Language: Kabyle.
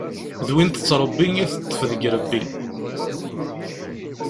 D win tettṛebbi i teṭṭef deg irebbi.